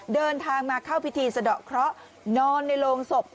เดินทางมาเข้าพิธีสะดอกเคราะห์นอนในโรงศพ